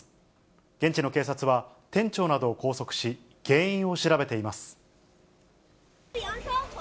現地の警察は、店長などを拘束し、原因を調べています。